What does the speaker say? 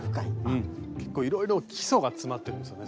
うん結構いろいろ基礎が詰まってるんですよね